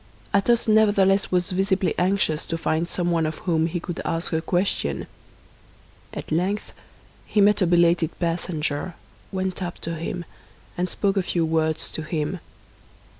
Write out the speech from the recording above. Athos nevertheless was visibly anxious to find someone of whom he could ask a question. At length he met a belated passenger, went up to him, and spoke a few words to him.